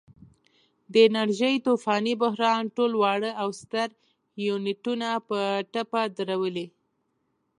د انرژۍ طوفاني بحران ټول واړه او ستر یونټونه په ټپه درولي.